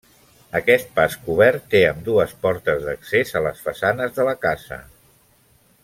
Aquest pas cobert té ambdues portes d'accés a les façanes de la casa.